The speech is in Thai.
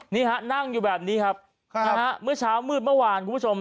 นี่ฮะนั่งอยู่แบบนี้ครับเมื่อเช้ามืดเมื่อวานคุณผู้ชม